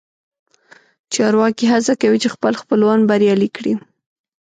چارواکي هڅه کوي چې خپل خپلوان بریالي کړي